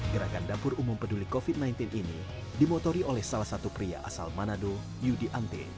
gerakan dapur umum peduli covid sembilan belas ini dimotori oleh salah satu pria asal manado yudi ante